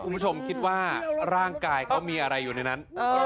คุณผู้ชมคิดว่าร่างกายเขามีอะไรอยู่ในนั้น